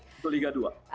untuk liga dua